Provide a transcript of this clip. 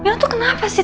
beno tuh kenapa sih